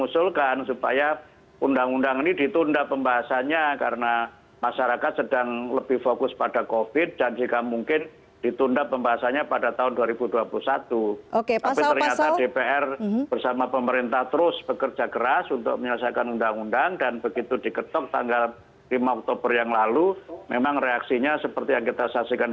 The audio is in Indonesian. selain itu presiden judicial review ke mahkamah konstitusi juga masih menjadi pilihan pp muhammadiyah